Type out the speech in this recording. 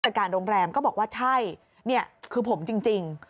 การโรงแรมก็บอกว่าใช่นี่คือผมจริง